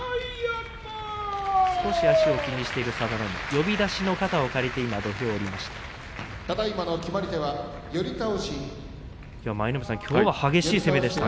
少し足を気にしている佐田の海呼出しの肩を借りて土俵を下りました。